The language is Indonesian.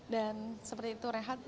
dan seperti itu rehat